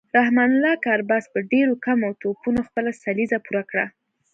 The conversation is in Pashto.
رحمان الله ګربز په ډیرو کمو توپونو خپله سلیزه پوره کړه